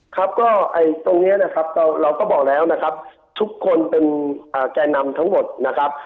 ครับก็ตรงนี้นะครับเราก็บอกแล้วนะครับทุกคนเป็นแก่นำทั้งหมดนะครับ